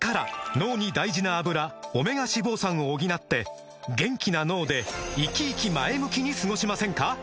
脳に大事な「アブラ」オメガ脂肪酸を補って元気な脳でイキイキ前向きに過ごしませんか？